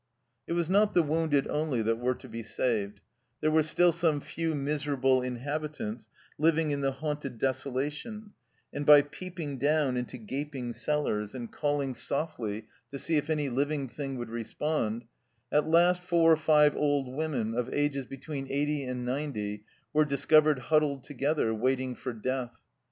It was not the wounded only that were to be saved ; there were still some few miserable inhabi tants living in the haunted desolation, and by peeping down into gaping cellars, and calling softly to see if any living thing would respond, at last four or five old women of ages between eighty and ninety were discovered huddled together, waiting for death.